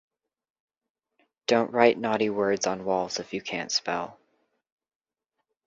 Don't write naughty words on walls if you can't spell.